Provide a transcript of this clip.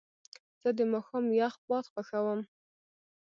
زه د ماښام یخ باد خوښوم.